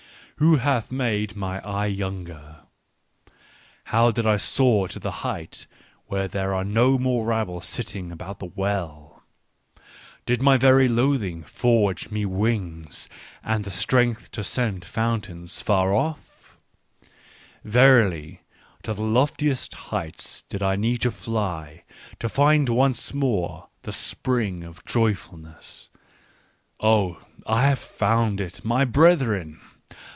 Who hath made mine eye younger ? How did I soar to the height, where there are no more rabble sitting about the well ?" Did my very loathing forge me wings and the strength to scent fountains afar off? Verily to the loftiest heights did I need to fly, to find once more the spring of joyfulness. " Oh, I found it, my brethren